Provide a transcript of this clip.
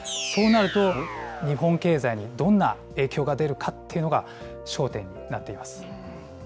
そうなると、日本経済にどんな影響が出るかっていうのが焦点になっています。